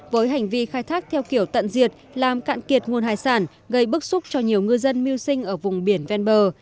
với hành vi khai thác theo kiểu tận diệt làm cạn kiệt nguồn hải sản gây bức xúc cho nhiều ngư dân mưu sinh ở vùng biển ven bờ